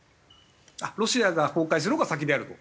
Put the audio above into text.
ロシアが崩壊するほうが先であると？